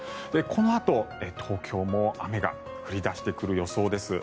このあと、東京も雨が降り出してくる予想です。